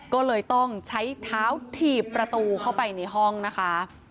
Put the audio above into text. ก็เลยต้องใช้เท้าถีบประตูเข้าไปในห้องนะคะ